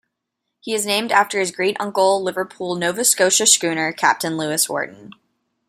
He is named after his great uncle, Liverpool, Nova Scotia schooner captain Lewis Wharton.